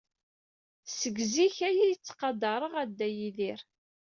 Seg zik ay yettqadareɣ a Dda Yidir.